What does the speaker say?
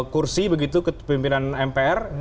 sepuluh kursi begitu kepimpinan mpr